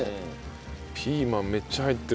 ピーマンめっちゃ入ってる。